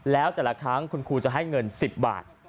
แล้วแต่ละครั้งคุณครูจะให้เงิน๑๐บาท